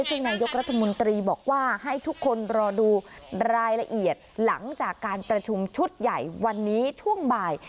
ซึ่งนายกรัฐมนตรีบอกว่าให้ทุกคนรอดูรายละเอียดหลังจากการประชุมชุดใหญ่วันนี้ช่วงบ่าย